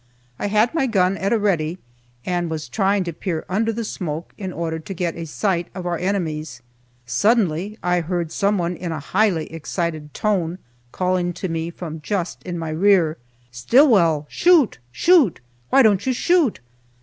I had my gun at a ready, and was trying to peer under the smoke in order to get a sight of our enemies. Suddenly I heard some one in a highly excited tone calling to me from just in my rear, "Stillwell! shoot! shoot! Why don't you shoot?"